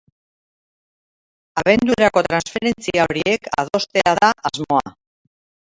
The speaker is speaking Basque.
Abendurako transferentzia horiek adostea da asmoa.